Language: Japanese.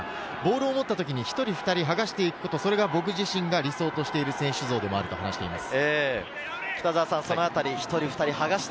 ボールを持った時に１人、２人はがしていくこと、それが僕自身が理想としている選手像でもあると話しています。